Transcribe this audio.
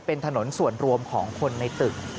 เป็นถนนส่วนรวมของคนในตึก